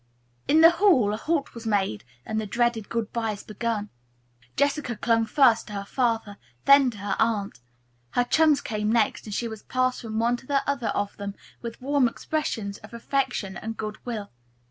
In the hall a halt was made and the dreaded good byes began. Jessica clung first to her father, then to her aunt. Her chums came next and she was passed from one to the other of them with warm expressions of affection and good will.